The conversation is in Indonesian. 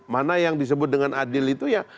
mana yang disebut dengan adil itu ya